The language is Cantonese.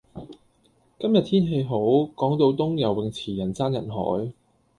今日天氣好，港島東游泳池人山人海。